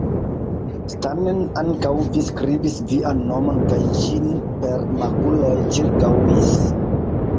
Stanen, ankaŭ vi skribis vian nomon kaj ĝin per makuloj ĉirkaŭis!